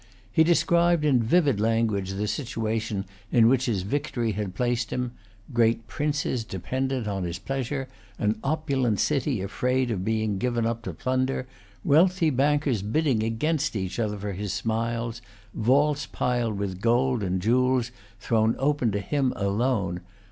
He described in vivid language the situation in which his victory had placed him: great princes dependent on his pleasure; an opulent city afraid of being given up to plunder; wealthy bankers bidding against each other for his smiles; vaults piled with gold and jewels thrown open to him alone.